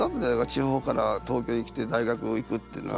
地方から東京に来て大学行くっていうのは。